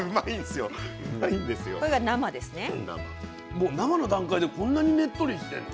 もう生の段階でこんなにねっとりしてんの？